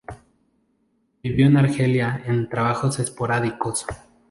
Vivió en Argelia en trabajos esporádicos.